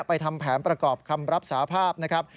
ทำแผนประกอบคำรับสาภาพนะครับ